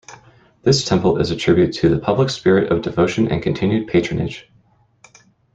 This temple is a tribute to the public spirit of devotion and continued patronage.